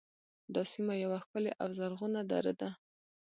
دا سیمه یوه ښکلې او زرغونه دره ده